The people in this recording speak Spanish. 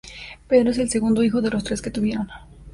Pedro es el segundo hijo de los tres que tuvieron.